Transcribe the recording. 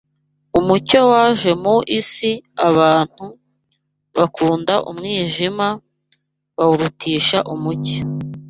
Umucyo waje mu isi, abantu bakunda umwijima, bawurutisha umucyo